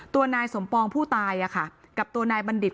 นายสมปองผู้ตายกับตัวนายบัณฑิต